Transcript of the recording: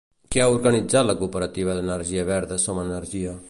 Què ha organitzat la cooperativa d'energia verda Som Energia?